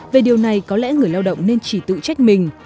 về điều này có lẽ người lao động nên chỉ tự trách mình